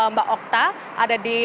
mbak okta ada di